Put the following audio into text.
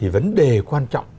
vấn đề quan trọng